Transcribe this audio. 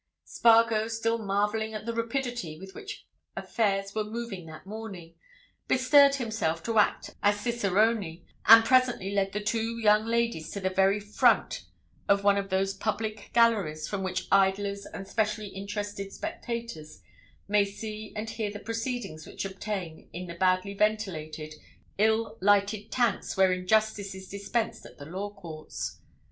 Spargo, still marvelling at the rapidity with which affairs were moving that morning, bestirred himself to act as cicerone, and presently led the two young ladies to the very front of one of those public galleries from which idlers and specially interested spectators may see and hear the proceedings which obtain in the badly ventilated, ill lighted tanks wherein justice is dispensed at the Law Courts.